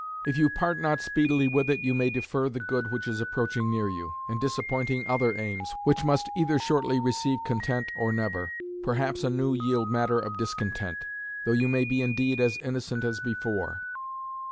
If you part not speedily with it, you may defer the good which is approaching near you, and disappointing other aims (which must either shortly receive content or never), perhaps anew yield matter of discontent, though you may be indeed as innocent as before.